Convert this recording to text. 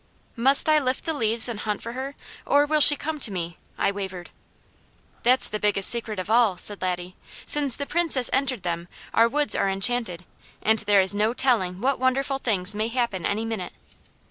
"Must I lift the leaves and hunt for her, or will she come to me?" I wavered. "That's the biggest secret of all," said Laddie. "Since the Princess entered them, our woods are Enchanted, and there is no telling what wonderful things may happen any minute.